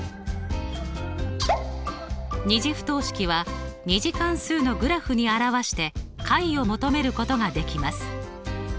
２次不等式は２次関数のグラフに表して解を求めることができます。